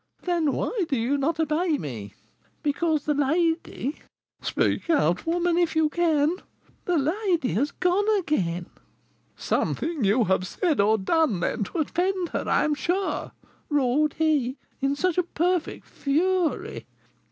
'Then why do you not obey me?' 'Because the lady ' 'Speak out, woman, if you can!' 'The lady has gone again.' 'Something you have said or done, then, to offend her, I am sure!' roared he in a perfect fury.